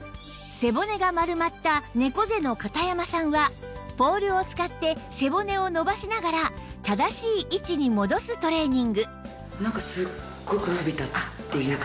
背骨が丸まった猫背の片山さんはポールを使って背骨を伸ばしながら正しい位置に戻すトレーニングなんか。